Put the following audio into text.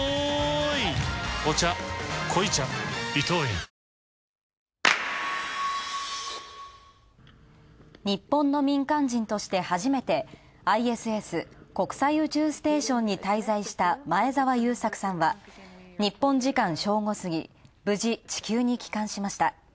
自分もなれる可能性がゼロではないと思うと日本の民間人として初めて、ＩＳＳ＝国際宇宙ステーションに滞在した前澤友作さんは、日本時間正午過ぎ、無事地球に帰還しました。